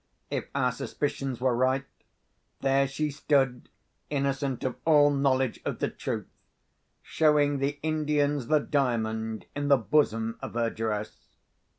If our suspicions were right, there she stood, innocent of all knowledge of the truth, showing the Indians the Diamond in the bosom of her dress!